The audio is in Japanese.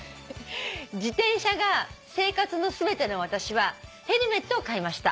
「自転車が生活の全ての私はヘルメットを買いました」